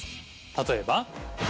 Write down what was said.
例えば。